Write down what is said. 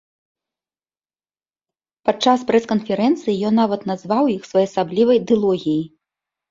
Падчас прэс-канферэнцыі ён нават назваў іх своеасаблівай дылогіяй.